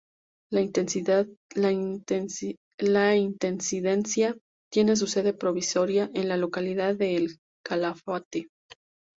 La intendencia tiene su sede provisoria en la localidad de El Calafate.